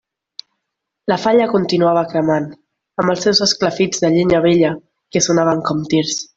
La falla continuava cremant, amb els seus esclafits de llenya vella que sonaven com tirs.